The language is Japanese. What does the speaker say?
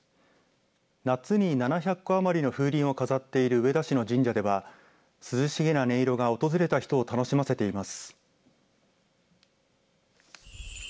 夏に７００個余りの風鈴を飾っている上田市の神社では涼しげな音色が訪れた人を楽しませています。